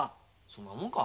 そんなもんか。